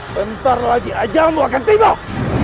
bentar lagi aja aku akan timbul